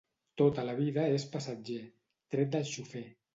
Tot a la vida és passatger, tret del xofer.